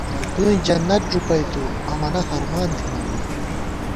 توئیں جنت ݫُپَئیتُو ، امَنہ ہرمان تھنہ ووئی